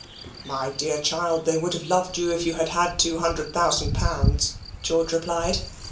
"My dear child, they would have loved you if you had had two hundred thousand pounds," George replied.